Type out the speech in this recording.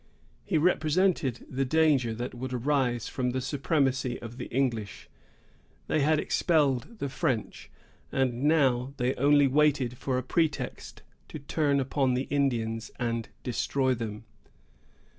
He represented the danger that would arise from the supremacy of the English. They had expelled the French, and now they only waited for a pretext to turn upon the Indians and destroy them.